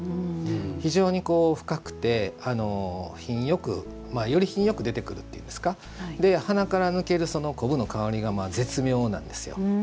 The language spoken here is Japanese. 非常に深くて、品よくより品よくといいますか鼻から抜ける昆布の香りが絶妙なんですよ。